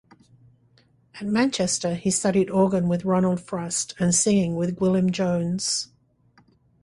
At Manchester he studied organ with Ronald Frost, and singing with Gwilym Jones.